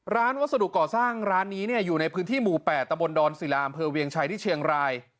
วัสดุก่อสร้างร้านนี้อยู่ในพื้นที่หมู่๘ตะบนดอนศิลาอำเภอเวียงชัยที่เชียงราย